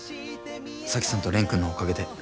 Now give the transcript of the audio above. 沙樹さんと蓮くんのおかげで。